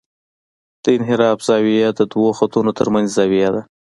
د انحراف زاویه د دوه خطونو ترمنځ زاویه ده